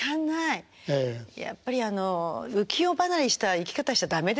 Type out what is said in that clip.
やっぱりあの浮世離れした生き方しちゃ駄目ですね。